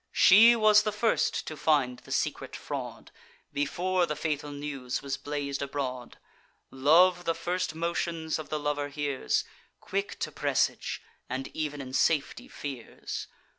She was the first to find the secret fraud, Before the fatal news was blaz'd abroad. Love the first motions of the lover hears, Quick to presage, and ev'n in safety fears.